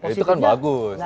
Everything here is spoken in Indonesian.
itu kan bagus